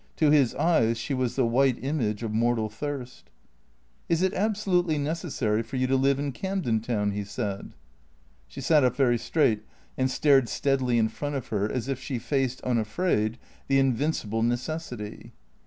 To his eyes she was the wliite image of mortal thirst. " Is it absolutely necessary for you to live in Camden Town ?" he said. She sat up very straight and stared steadily in front of her, as if she faced, unafraid, the invincible necessity.